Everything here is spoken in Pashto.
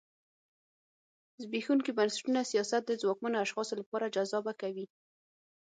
زبېښونکي بنسټونه سیاست د ځواکمنو اشخاصو لپاره جذابه کوي.